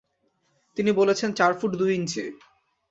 তিনি বলেছেন চার ফুট দুইঞ্চি।